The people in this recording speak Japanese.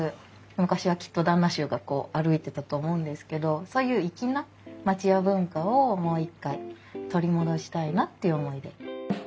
昔はきっと旦那衆が歩いてたと思うんですけどそういう粋な町家文化をもう一回取り戻したいなっていう思いで。